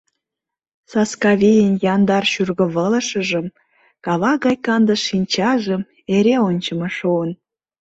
Саскавийын яндар шӱргывылышыжым, кава гай канде шинчажым эре ончымо шуын.